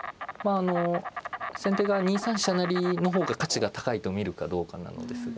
あの先手が２三飛車成の方が価値が高いと見るかどうかなのですが。